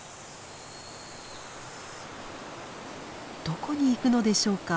どこに行くのでしょうか。